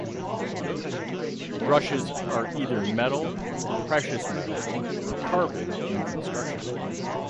Brushes are either metal, precious metal or carbon in construction.